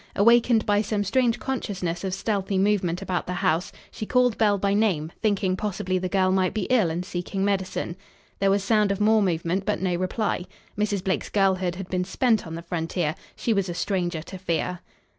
Awakened by some strange consciousness of stealthy movement about the house, she called Belle by name, thinking possibly the girl might be ill and seeking medicine. There was sound of more movement, but no reply. Mrs. Blake's girlhood had been spent on the frontier. She was a stranger to fear.